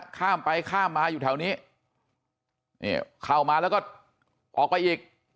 ข้ามไปข้ามมาอยู่แถวนี้นี่เข้ามาแล้วก็ออกไปอีก